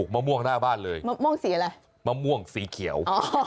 มะม่วงสีอะไรมะม่วงสีเขียว